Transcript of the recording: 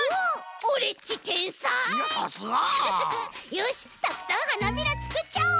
よしたくさんはなびらつくっちゃおう！